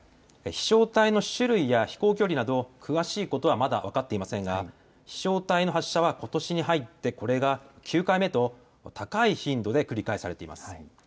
飛しょう体の種類や飛行距離など詳しいことはまだ分かっていませんが、飛しょう体の発射はことしに入ってこれが９回目と高い頻度で繰り返されています。